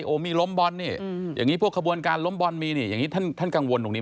และก็สปอร์ตเรียนว่าคำน่าจะมีการล็อคกรมการสังขัดสปอร์ตเรื่องหน้าในวงการกีฬาประกอบสนับไทย